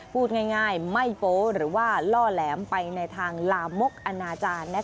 พูดง่ายไม่โป๊หรือว่าล่อแหลมไปในทางลามกอนาจารย์